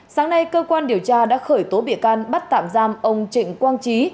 sáng nay cơ quan điều tra đã khởi tố bịa can bắt tạm giam ông trịnh quang trí